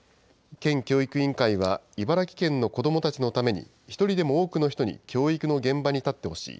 県教育委員会は、茨城県の子どもたちのために、１人でも多くの人に教育の現場に立ってほしい。